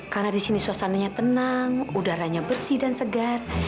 karena di sini suasananya tenang udaranya bersih dan segar